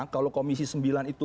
kalau komisi sembilan itu